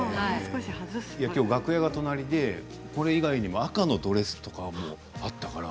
楽屋が隣でこれ以外にも赤のドレスとかあったんです。